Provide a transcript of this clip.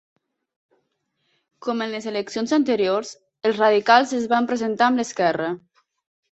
Com en les eleccions anteriors, els radicals es van presentar amb l'esquerra.